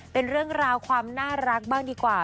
เป็นเรื่องราวความน่ารักบ้างดีกว่า